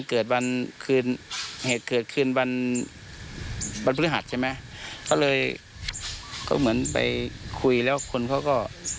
เขาเลยเขาเหมือนไปคุยแล้วคนเขาก็